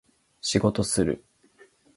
仕事する